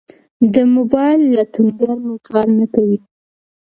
د موبایل لټونګر می کار نه کوي